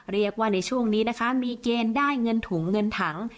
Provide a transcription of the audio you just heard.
เรียกว่าในช่วงนี้นะคะมีเกณฑ์ได้เงินถุงเงินถัง